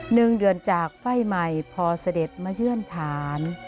หนึ่งเดือนจากไฟล์ใหม่พอเสด็จมาเยื่อนฐาน